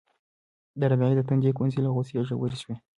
د رابعې د تندي ګونځې له غوسې ژورې شوې.